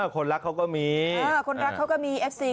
คนรักเค้าก็มี